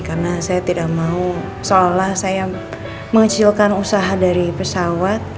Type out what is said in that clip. karena saya tidak mau seolah olah saya mengecilkan usaha dari pesawat